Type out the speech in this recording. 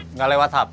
nggak lewat hp